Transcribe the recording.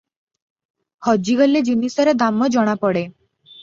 ହଜିଗଲେ ଜିନିଷର ଦାମ ଜଣା ପଡ଼େ ।